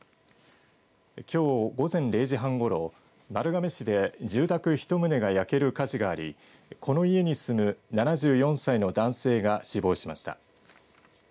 きょう午前０時半ごろ丸亀市で住宅１棟が焼ける火事がありこの家に住む７４歳の男性が死亡しました。